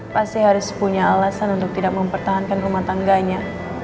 pasti harus punya alasan untuk tidak mempertahankan rumah tangganya